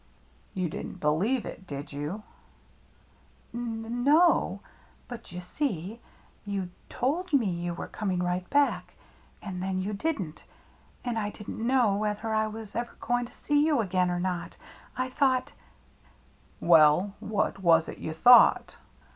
" You didn't believe it, did you ?"" N no — but you see, you told me you ' were coming right back, and then you didn't — and I didn't know whether I was ever going to see you again or not. I thought —" THE CIRCLE MARK 109 " Well, what was it you thought